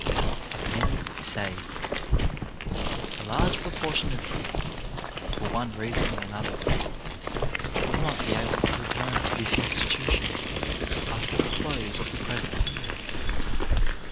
A PENNY SAVED A large proportion of you, for one reason or another, will not be able to return to this institu tion after the close of the present year.